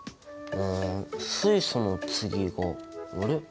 水素の次があれ？